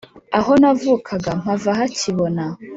aho navukaga mpava hakibona